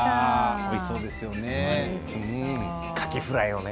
おいしそうですよね。